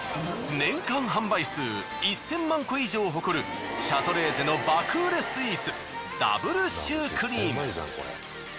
年間販売数１，０００万個以上を誇るシャトレーゼの爆売れスイーツダブルシュークリーム。